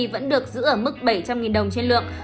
vẫn được giữ ở mức bảy trăm linh đồng trên lượng